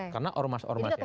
karena ormas ormas yang lain